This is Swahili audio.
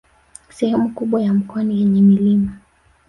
Sehemu kubwa ya mkoa ni yenye milima